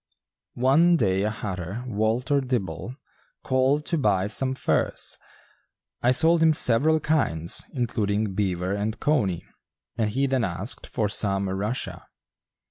One day a hatter, Walter Dibble, called to buy some furs. I sold him several kinds, including "beaver" and "cony," and he then asked for some "Russia."